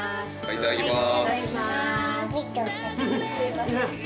いただきます。